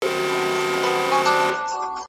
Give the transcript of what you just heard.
د شیانو نومول او لیکل د انسان ځانګړتیا ده.